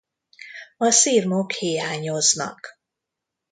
A szirmok hiányoznak.